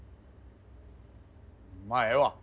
まあええわ。